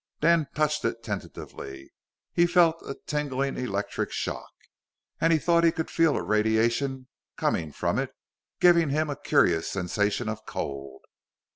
Dan touched it tentatively. He felt a tingling electric shock. And he thought he could feel a radiation coming from it, giving him a curious sensation of cold.